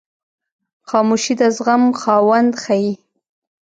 خاموشي، د زغم خاوند ښیي.